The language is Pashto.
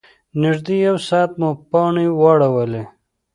نږدې یو ساعت مو پانې واړولې.